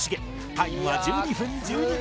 タイムは１２分１２秒